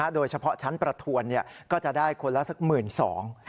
โดยเฉพาะชั้นประทวนก็จะได้คนละสักหมื่นสอง